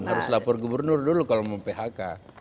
harus lapor gubernur dulu kalau mau phk